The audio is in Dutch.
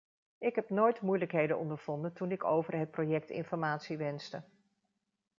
Ik heb nooit moeilijkheden ondervonden toen ik over het project informatie wenste.